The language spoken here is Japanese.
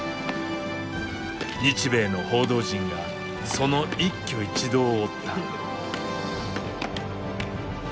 日米の報道陣がその一挙一動を追った。